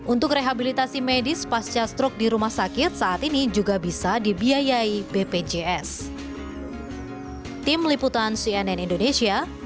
untuk rehabilitasi medis pasca struk di rumah sakit saat ini juga bisa dibiayai bpjs